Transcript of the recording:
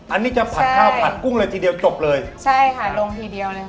อันนี้จะผัดข้าวผัดกุ้งเลยทีเดียวจบเลยใช่ค่ะลงทีเดียวเลย